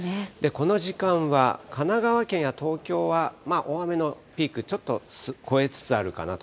この時間は神奈川県や東京は大雨のピーク、ちょっと超えつつあるかなと。